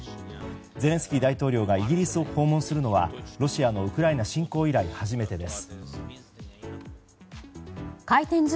ゼレンスキー大統領がイギリスを訪問するのはロシアのウクライナ侵攻以来初めてです。